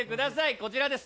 こちらです。